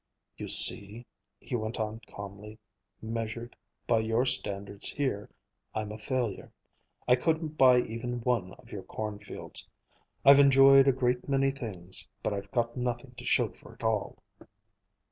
"You see," he went on calmly, "measured by your standards here, I'm a failure. I couldn't buy even one of your cornfields. I've enjoyed a great many things, but I've got nothing to show for it all."